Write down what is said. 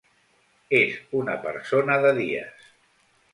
És una persona de dies.